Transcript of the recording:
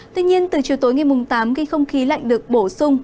tuy nhiên từ chiều tối ngày mùng tám khi không khí lạnh được bổ sung